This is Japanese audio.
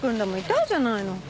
痛いじゃないの。